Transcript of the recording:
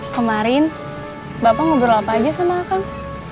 kemarin bapak ngobrol apa aja sama kang